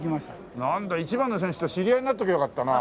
なんだ１番の選手と知り合いになっておけばよかったな。